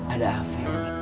ada apa ibu